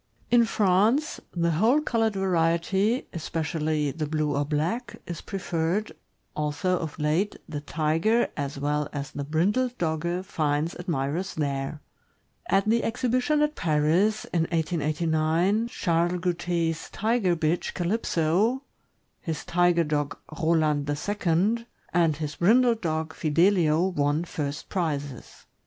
In France, the whole colored variety, especially the blue or black, is preferred, although of late the Tiger as well as the brindled Dogge finds admirers there. At the exhibition at Paris, in 1889, Charles Goute's Tiger bitch Calypso, his Tiger dog Roland II., and his brindled dog Fidelio won lirst prizes.